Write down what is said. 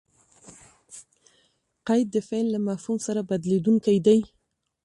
قید؛ د فعل له مفهوم سره بدلېدونکی دئ.